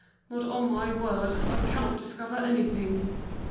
"But, on my word, I cannot discover anything."